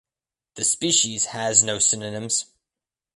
The species has no synonyms.